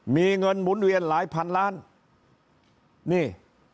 มีเงินหมุนเวียนหลายพันล้านนี่